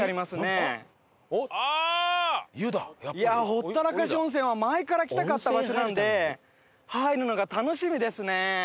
ほったらかし温泉は前から来たかった場所なので入るのが楽しみですね。